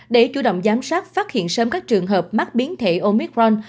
để chủ động giám sát phát hiện sớm các trường hợp mắc biến thể omicron